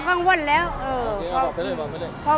สวัสดีครับ